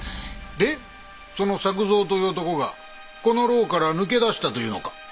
でその作藏という男がこの牢から抜け出したというのか？